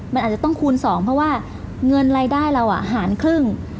มันอาจจะต้องคูณ๒เพราะว่าเงินรายได้เราหารครึ่ง